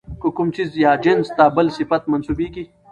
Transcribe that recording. که کوم څيز ىا جنس ته بل صفت منسوبېږي،